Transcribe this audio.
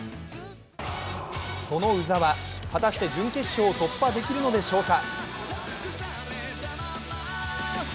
その鵜澤、果たして準決勝を突破できるのでしょうか。